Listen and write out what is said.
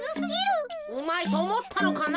うまいとおもったのかな？